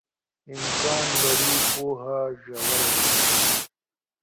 امکان لري پوهه ژوره شي.